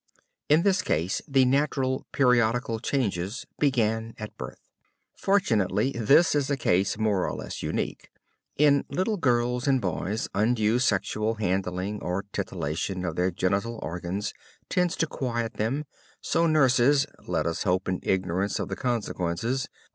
In this case the natural periodical changes began at birth! Fortunately, this is a case more or less unique. In little girls and boys undue sexual handling or titillating of their genital organs tends to quiet them, so nurses (let us hope in ignorance of the consequences!)